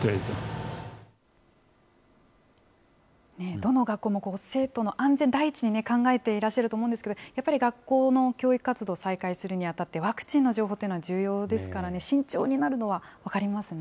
どの学校も、生徒の安全第一に考えていらっしゃると思うんですけれども、やっぱり学校の教育活動を再開するにあたって、ワクチンの情報というのは重要ですからね、慎重になるのは分かりますね。